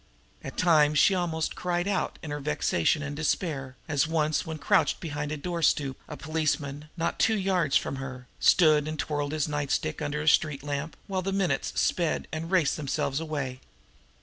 And at times she almost cried out in her vexation and despair, as once, when crouched behind a door stoop, a policeman, not two yards from her, stood and twirled his night stick under the street lamp while the minutes sped and raced themselves away.